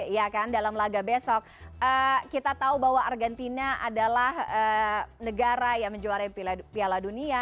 ya kan dalam laga besok kita tahu bahwa argentina adalah negara yang menjuarai piala dunia